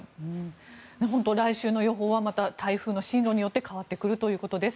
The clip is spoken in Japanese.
来週の予報はまた台風の進路によって変わってくるということです。